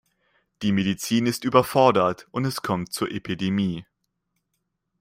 Die Medizin ist überfordert und es kommt zur Epidemie.